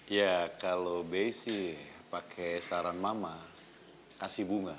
ya kalau base sih pakai saran mama kasih bunga